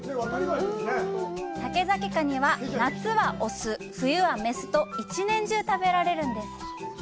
竹崎カニは、夏は雄、冬は雌と１年中食べられるんです。